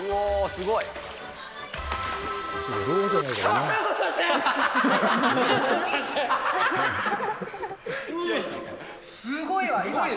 すごいわ、今。